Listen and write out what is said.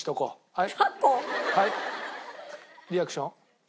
はいはいリアクション。